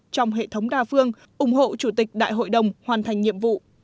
trong hệ thống đa phương ủng hộ chủ tịch đại hội đồng hoàn thành nhiệm vụ